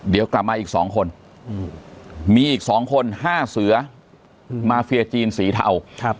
เดี๋ยวกลับมาอีกสองคนมีอีกสองคนห้าเสือมาเฟียร์จีนสีเทา